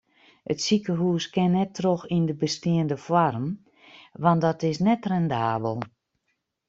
It sikehûs kin net troch yn de besteande foarm want dat is net rendabel.